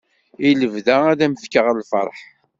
I lebda ad am fkeɣ lferḥ.